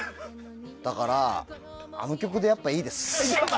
だから、あの曲でやっぱりいいです。